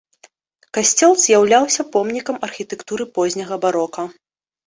Касцёл з'яўляўся помнікам архітэктуры позняга барока.